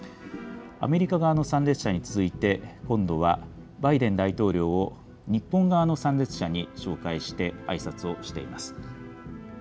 アメリカ側の参列者に続いて今度はバイデン大統領を日本側の参列者に紹介してあいさつをしています。